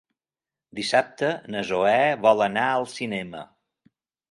Dissabte na Zoè vol anar al cinema.